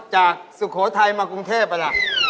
เห้ยแมว